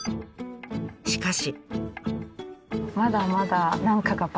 しかし。